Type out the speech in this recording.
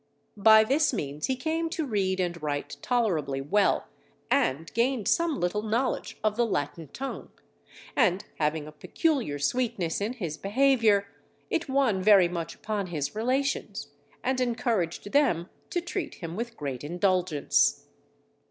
By this means he came to read and write tolerably well, and gained some little knowledge of the Latin tongue; and having a peculiar sweetness in his behaviour, it won very much upon his relations, and encouraged them to treat him with great indulgence.